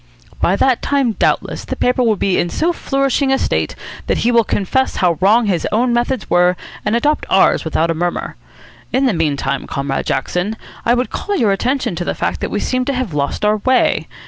"By that time, doubtless, the paper will be in so flourishing a state that he will confess how wrong his own methods were and adopt ours without a murmur. In the meantime, Comrade Jackson, I would call your attention to the fact that we seem to have lost our way.